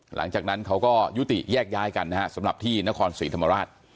หลังจากนั้นเขาก็ยุติแยกย้ายกันนะฮะสำหรับที่นครศรีธรรมราช